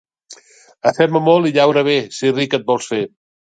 Afema molt i llaura bé, si ric et vols fer.